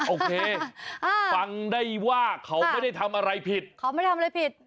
โอเคฟังได้ว่าเขาไม่ได้ทำอะไรผิด